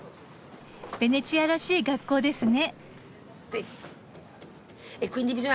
ベネチアらしい学校ですね？